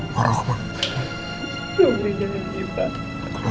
sobri jangan gitu pak